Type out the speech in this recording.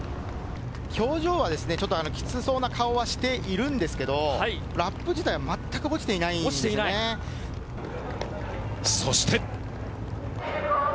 表情はちょっと、きつそうな顔はしているんですけれども、ラップ自体は全く落ちていないんそして。